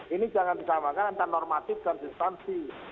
ini jangan disamakan antara normatif dan substansi